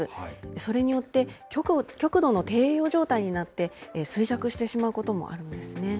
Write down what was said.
それによって、極度の低栄養状態になって、衰弱してしまうこともあるんですね。